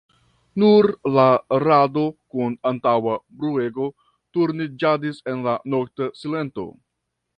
Nur la rado kun antaŭa bruego turniĝadis en la nokta silento.